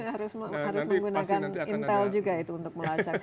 harus menggunakan intel juga itu untuk melacak